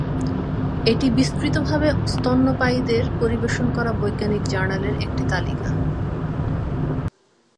এটি বিস্তৃতভাবে স্তন্যপায়ীদের পরিবেশন করা বৈজ্ঞানিক জার্নালের একটি তালিকা।